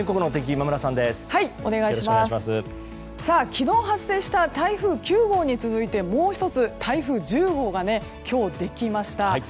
昨日発生した台風９号に続いてもう１つ台風１０号が今日できました。